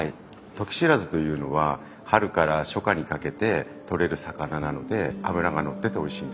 トキシラズというのは春から初夏にかけて取れる魚なので脂がのってておいしいんです。